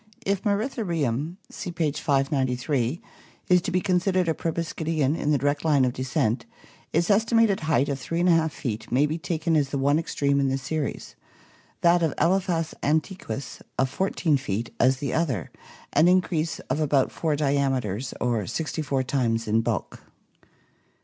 If Moeritherium (see page 593) is to be considered a proboscidean in the direct line of descent, its estimated height of 3^ feet may be taken as the one extreme in the series, that of Ekphas antiquus of 14 feet as the other, an increase of about four diameters or sixty four times in bulk.